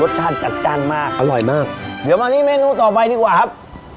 จัดจ้านมากอร่อยมากเดี๋ยวมาที่เมนูต่อไปดีกว่าครับ